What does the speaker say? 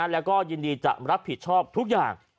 แล้วก็ยินดีจะรับผิดชอบทุกอย่าง